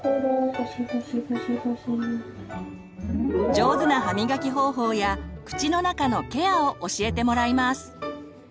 上手な歯みがき方法や口の中のケアを教えてもらいます。